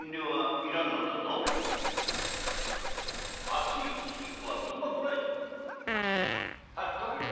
熱いうちに食わんとうまくないぞ早く食べろ。